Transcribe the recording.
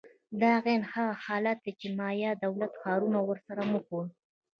دا عین هغه حالت دی چې د مایا دولت ښارونه ورسره مخ وو.